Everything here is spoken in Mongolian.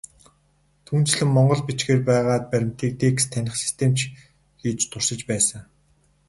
Түүнчлэн, монгол бичгээр байгаа баримтыг текст таних систем ч хийж туршиж байсан.